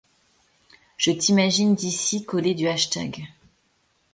Je t'imagine d'ici coller du hashtag.